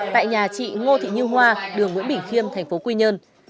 tại nhà chị ngô thị như hoa đường nguyễn bỉ khiêm tp quy nhơn